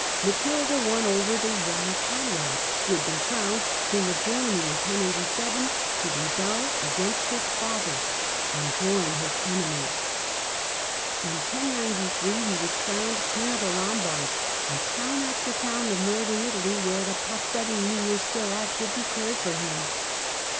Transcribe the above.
Matilda won over the young Coni'ad, who Revolt of had been crowned King of Germany in 1087, to rebel son of ' against his father and join his enemies. In 1093 he was 1093'^^^^*' crowned King of the Lombards, and town after town of Northern Italy, where the Patarini were still active, declared for him.